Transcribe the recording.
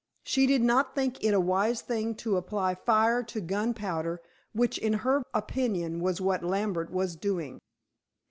She did not think it a wise thing to apply fire to gunpowder, which, in her opinion, was what Lambert was doing.